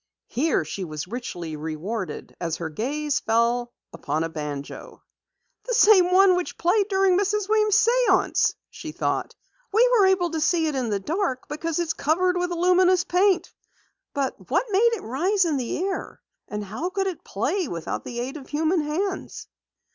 Here she was richly rewarded as her gaze fell upon a banjo. "The same one which played during Mrs. Weems' séance!" she thought. "We were able to see it in the dark because it's covered with luminous paint. But what made it rise into the air, and how could it play without the aid of human hands?"